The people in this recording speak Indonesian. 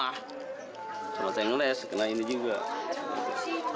setelah saya ngeles kena ini juga